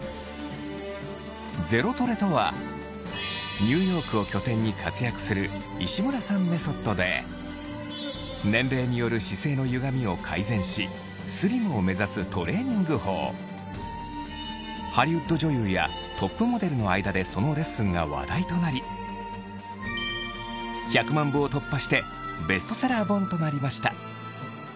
「ゼロトレ」とはニューヨークを拠点に活躍する石村さんメソッドで年齢によるトレーニング法の間でそのレッスンが話題となり１００万部を突破してベストセラー本となりました